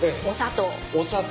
お砂糖。